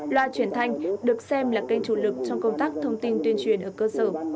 loa truyền thanh được xem là kênh chủ lực trong công tác thông tin tuyên truyền ở cơ sở